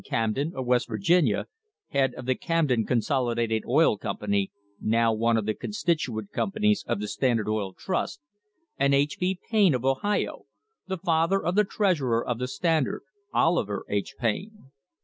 Camden of West Virginia, head of the Camden Consolidated Oil Company, now one of the constituent companies of the Standard Oil Trust, and H. B. Payne of Ohio, the father of the treasurer of the Standard, Oliver H. Payne.